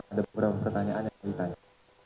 ada beberapa pertanyaan yang ditanya